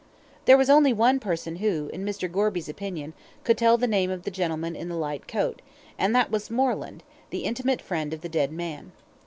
There was only one person who, in Mr. Gorby's opinion, could tell the name of the gentleman in the light coat, and that was Moreland, the intimate friend of the dead man.